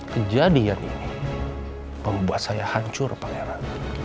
kejadian ini membuat saya hancur pak heran